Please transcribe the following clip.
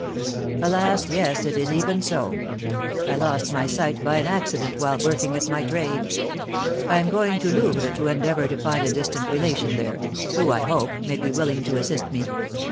"Alas! yes, it is even so. I lost my sight by an accident while working at my trade. I am going to Louvres to endeavour to find a distant relation there, who, I hope, may be willing to assist me.